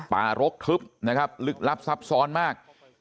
รกทึบนะครับลึกลับซับซ้อนมาก